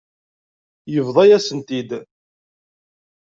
Yebḍa-yasen-t-id.